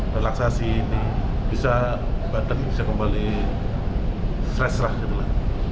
relaksasi ini bisa kembali stress lah gitu lah